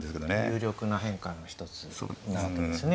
有力な変化の一つなわけですね。